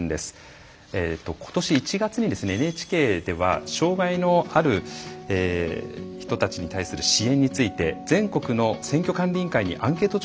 今年１月にＮＨＫでは障害のある人たちに対する支援について全国の選挙管理委員会にアンケート調査を行いました。